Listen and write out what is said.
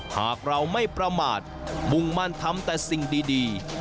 หากเราไม่ประมาทมุ่งมั่นทำแต่สิ่งดี